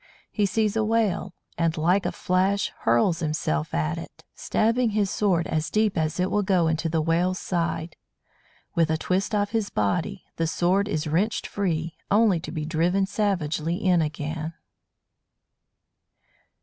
He sees a Whale, and, like a flash, hurls himself at it, stabbing his sword as deep as it will go into the Whale's side. With a twist of his body the sword is wrenched free, only to be driven savagely in again.